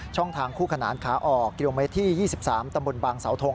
ทางคู่ขนานขาออกกิโลเมตรที่๒๓ตำบลบางสาวทง